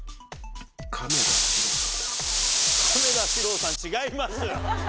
亀田史郎さん違います。